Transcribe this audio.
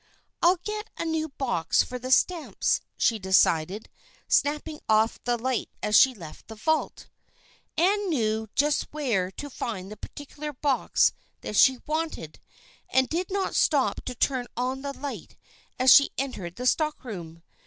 "I'll get a new box for the stamps," she decided, snapping off the light as she left the vault. Ann knew just where to find the particular box that she wanted and did not stop to turn on the light as she entered the stockroom.